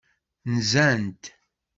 Nzant.